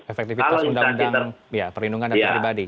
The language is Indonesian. efektivitas undang undang perlindungan data pribadi